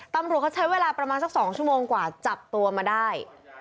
ตำรวจเขาใช้เวลาประมาณสัก๒ชั่วโมงกว่าจับตัวมาได้